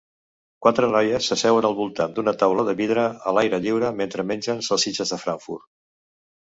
Quatre noies s'asseuen al voltant d'una taula de vidre a l'aire lliure mentre mengen salsitxes de Frankfurt.